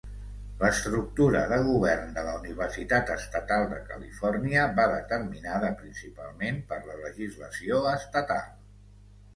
L'estructura de govern de la Universitat Estatal de Califòrnia ve determinada principalment per la legislació estatal.